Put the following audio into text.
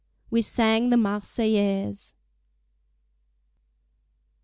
We sang the Marseillaise!